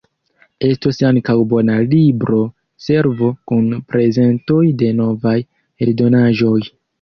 Estos ankaŭ bona libro-servo kun prezentoj de novaj eldonaĵoj.